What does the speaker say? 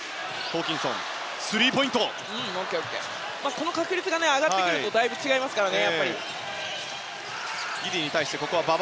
この確率が上がるとだいぶ違いますからね。